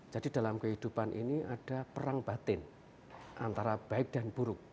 jadi dalam kehidupan ini ada perang batin antara baik dan buruk